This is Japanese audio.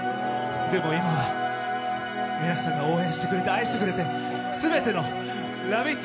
でも今は皆さんが応援してくれて愛してくれて全てのラヴィット！